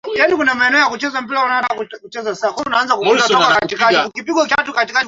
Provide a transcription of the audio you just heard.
Mara kadhaa Marekani ilikuwa ikiendesha majaribio ya kumuondoa